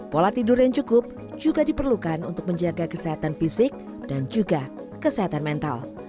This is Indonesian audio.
pola tidur yang cukup juga diperlukan untuk menjaga kesehatan fisik dan juga kesehatan mental